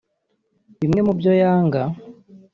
Bimwe mu byo yanga